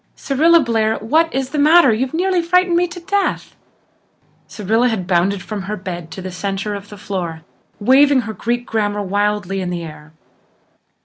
Cyrilla Blair, what is the matter? You nearly frightened me to death!" Cyrilla had bounded from her bed to the centre of the floor, waving her Greek grammar wildly in the air.